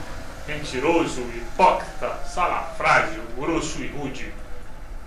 Mentiroso, hipócrita, salafrário, grosso e rude